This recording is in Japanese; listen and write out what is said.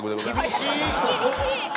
厳しい！